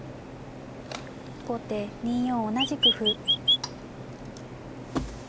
後手２四同じく歩。